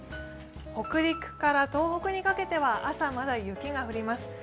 北陸から東北にかけては朝まだ雪が降ります。